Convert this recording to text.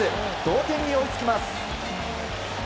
同点に追いつきます。